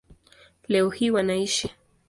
Leo hii wanaishi